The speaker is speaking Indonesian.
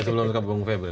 sebelum ke bung feble